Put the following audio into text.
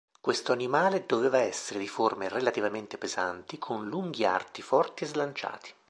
Questo animale doveva essere di forme relativamente pesanti, con lunghi arti forti e slanciati.